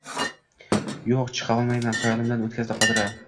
Yoʻq, chiqa olmayman xayolidan oʻtkazdi Qadira